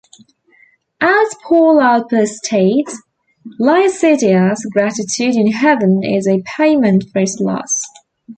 As Paul Alpers states, Lycidias' gratitude in heaven is a payment for his loss.